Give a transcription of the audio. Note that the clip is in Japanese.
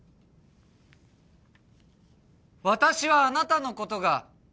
「私はあなたのことが」